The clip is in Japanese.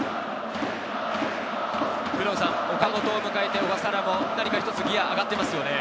岡本を迎えて小笠原も何か一つギアが上がっていますね。